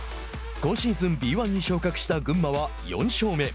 今シーズンＢ１に昇格した群馬は４勝目。